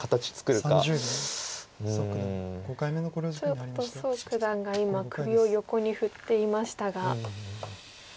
ちょっと蘇九段が今首を横に振っていましたが。